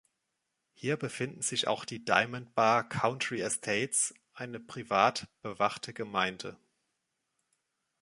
Hier befinden sich auch die Diamond Bar Country Estates, eine privat bewachte Gemeinde.